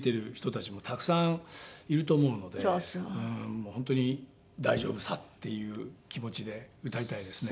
もう本当に「大丈夫さ」っていう気持ちで歌いたいですね。